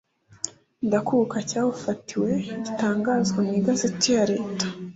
ndakuka cyawufatiwe gitangazwa mu igazeti ya leta